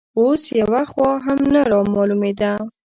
اوس یوه خوا هم نه رامالومېده